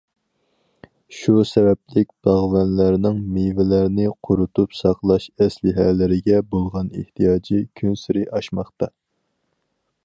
شۇ سەۋەبلىك باغۋەنلەرنىڭ مېۋىلەرنى قۇرۇتۇپ ساقلاش ئەسلىھەلىرىگە بولغان ئېھتىياجى كۈنسېرى ئاشماقتا.